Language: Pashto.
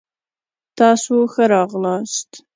تاسو ښه راغلاست.